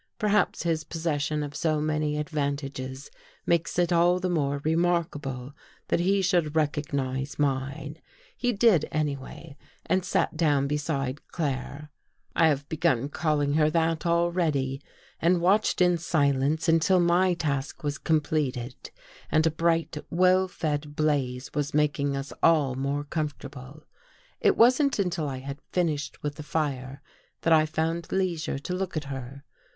Perhaps his possession of so many ad vantages makes it all the more remarkable that he 'should recognize mine. He did anyway and sat down beside Claire — I have begun calling her that already — and watched in silence until my task was completed and a bright well fed blaze was making us all more comfortable. It wasn't until I had finished with the fire that I found leisure to look at her.